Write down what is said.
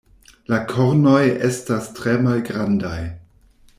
La kornoj estas tre malgrandaj.